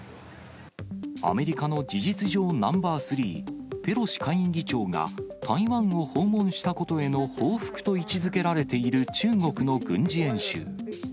アメリカの事実上ナンバー３、ペロシ下院議長が、台湾を訪問したことへの報復と位置づけられている中国の軍事演習。